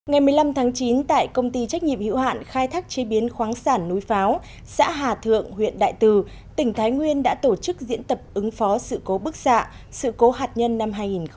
ngày một mươi năm tháng chín tại công ty trách nhiệm hiệu hạn khai thác chế biến khoáng sản núi pháo xã hà thượng huyện đại từ tỉnh thái nguyên đã tổ chức diễn tập ứng phó sự cố bức xạ sự cố hạt nhân năm hai nghìn một mươi chín